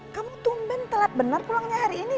kamu tumben telat benar pulangnya hari ini